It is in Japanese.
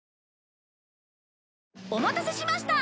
お待たせしました！